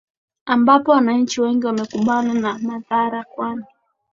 ambapo wananchi wengi wamekumbana na madhara kwani